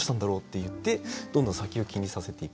いってどんどん先を気にさせていく。